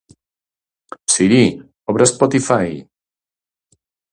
Siri, obre Spotify.